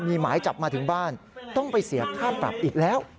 มีหมายจับมาถึงบ้านต้องไปเสียค่าปรับอีกแล้ว